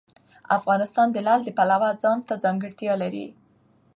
افغانستان د لعل د پلوه ځانته ځانګړتیا لري.